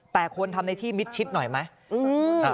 แต่ควรทำในที่มิดชิดหน่อยไหม